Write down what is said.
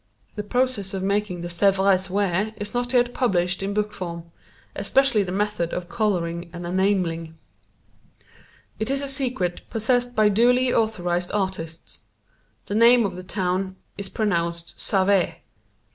The process of making the Sèvres ware is not yet published in book form, especially the method of coloring and enameling. It is a secret possessed by duly authorized artists. The name of the town is pronounced Save.